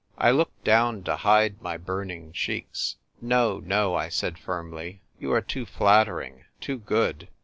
I looked down to hide my burning cheeks. " No, no," I said firmly. " You are too flattering — too good.